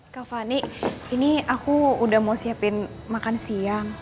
kak fani ini aku udah mau siapin makan siang